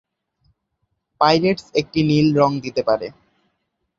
Pirates একটি নীল রঙ দিতে পারে।